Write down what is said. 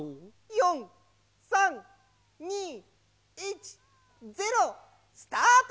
４３２１０スタート！